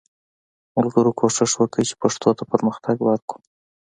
ملګرو کوښښ وکړئ چې پښتو ته پرمختګ ورکړو